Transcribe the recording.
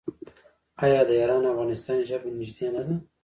آیا د ایران او افغانستان ژبه نږدې نه ده؟